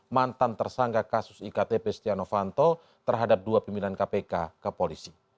mantan tersangka kasus iktp stiano fanto terhadap dua pimpinan kpk ke polisi